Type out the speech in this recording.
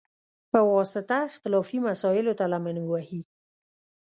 په واسطه، اختلافي مسایلوته لمن ووهي،